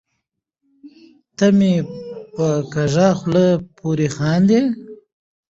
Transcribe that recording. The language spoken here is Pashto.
ته مې په کږه خوله پورې خاندې .